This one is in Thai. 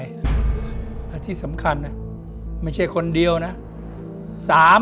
และที่สำคัญไม่ใช่คนเดียวนะ